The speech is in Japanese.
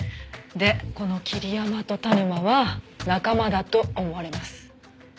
でこの桐山と田沼は仲間だと思われます。